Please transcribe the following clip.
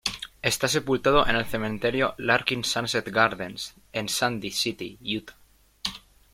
Está sepultado en el cementerio "Larkin Sunset Gardens" en Sandy City, Utah.